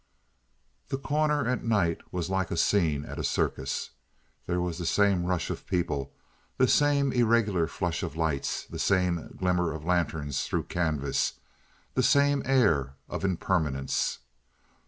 The Corner at night was like a scene at a circus. There was the same rush of people, the same irregular flush of lights, the same glimmer of lanterns through canvas, the same air of impermanence.